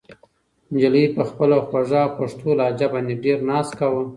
نجلۍ په خپله خوږه پښتو لهجه باندې ډېر ناز کاوه.